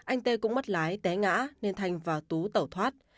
anh t cũng mất lái té ngã nên thanh và tú tẩu thoát